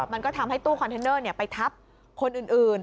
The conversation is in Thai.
มันก็ทำให้ตู้คอนเทนเนอร์ไปทับคนอื่น